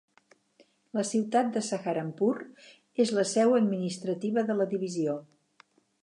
La ciutat de Saharanpur és la seu administrativa de la divisió.